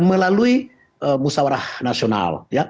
melalui musawarah nasional